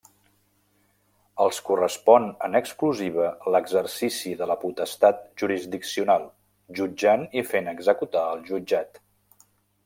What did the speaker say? Els correspon en exclusiva l'exercici de la potestat jurisdiccional, jutjant i fent executar el jutjat.